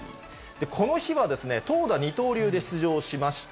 この日はですね、投打二刀流で出場しました。